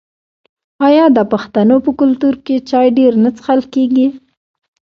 آیا د پښتنو په کلتور کې چای ډیر نه څښل کیږي؟